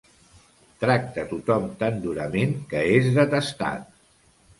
Tracta tothom tan durament que és detestat.